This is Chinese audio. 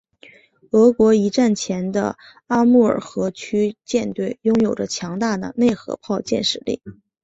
俄国一战前的阿穆尔河区舰队拥有着强大的内河炮舰实力。